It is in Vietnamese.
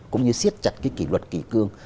cũng như siết chặt cái kỷ luật kỷ cương